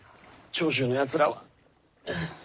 長州の奴らは？